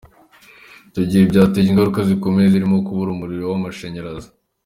Icyo gihe byateje ingaruka zikomeye zirimo kubura umuriro w’amashanyarazi.